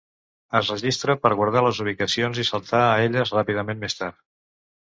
Es registra per guardar les ubicacions i saltar a elles ràpidament més tard.